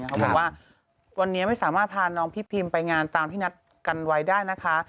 เขาบอกว่าวันนี้ไม่สามารถพาน้องพี่พิมไปงานตามที่นัดกันไว้ได้นะคะ